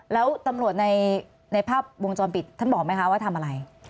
แล้วตำรวจในภาพวงจรปิดท่านบอกไหมคะว่าทำอะไร